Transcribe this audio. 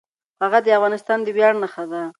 هغه د افغانستان د ویاړ نښه ده.